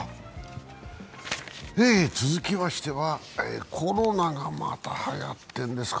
続きましては、コロナがまたはやっているんですか。